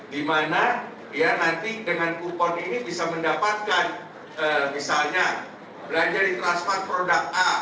di mana nanti dengan kupon ini bisa mendapatkan misalnya belanja di transpac produk a